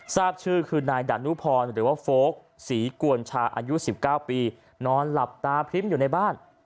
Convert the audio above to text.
ทราบชื่อคือนายดานุพรหรือว่าโฟลกศรีกวนชาอายุ๑๙ปีนอนหลับตาพริ้มอยู่ในบ้าน